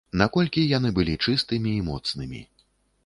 Наколькі яны былі чыстымі і моцнымі.